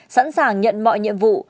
sẵn sàng nhận mọi nhiệm vụ